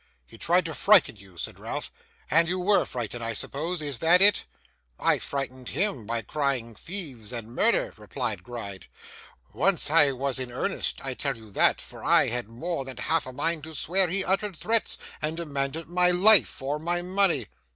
'He tried to frighten you,' said Ralph, 'and you WERE frightened I suppose; is that it?' 'I frightened HIM by crying thieves and murder,' replied Gride. 'Once I was in earnest, I tell you that, for I had more than half a mind to swear he uttered threats, and demanded my life or my money.